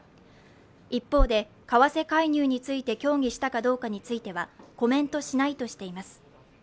一方で為替介入について協議したかどうかについてはコメントしないとしています。